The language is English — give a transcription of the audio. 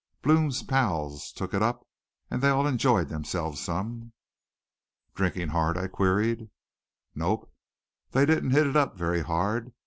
Blome's pals took it up and they all enjoyed themselves some." "Drinking hard?" I queried. "Nope they didn't hit it up very hard.